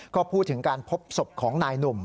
ก็พูดถึงการพบศพของนายหนุ่ม